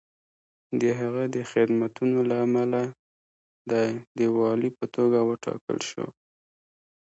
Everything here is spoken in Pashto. د هغه د خدمتونو له امله دی د والي په توګه وټاکل شو.